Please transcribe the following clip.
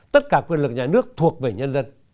tất cả quyền lực nhà nước thuộc về nhân dân